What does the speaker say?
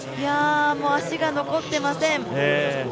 足が残っていません。